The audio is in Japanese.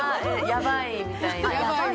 やばいみたいな。